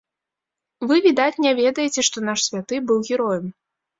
Вы, відаць, не ведаеце, што наш святы быў героем.